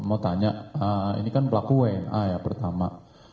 mau tanya ini kan pelaku wna ya pertama